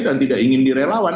dan tidak ingin di relawan